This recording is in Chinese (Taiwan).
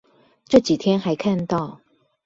這幾天還看到